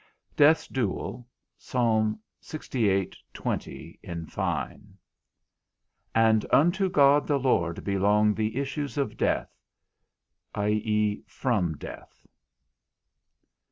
_ DEATH'S DUEL PSALM LXVIII. 20, in fine. _And unto God the Lord belong the issues of death (i.e. from death).